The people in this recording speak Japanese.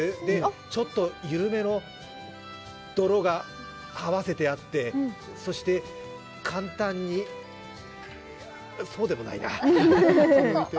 ちょっと緩めの泥がはわせてあってそして簡単にそうでもないな。